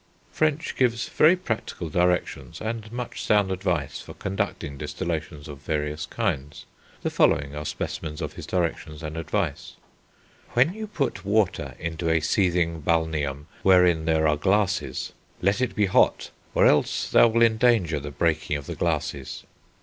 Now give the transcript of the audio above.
French gives very practical directions and much sound advice for conducting distillations of various kinds. The following are specimens of his directions and advice: "When you put water into a seething Balneum wherein there are glasses let it be hot, or else thou wilt endanger the breaking of the glasses.